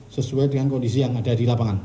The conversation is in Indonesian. sesuai dengan kondisi yang ada di lapangan